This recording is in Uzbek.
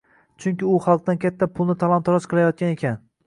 Chunki u xalqdan katta pulni talon-taroj qilayotgan ekan.